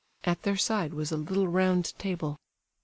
At their side was a little round table.